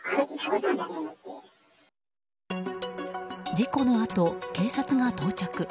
事故のあと、警察が到着。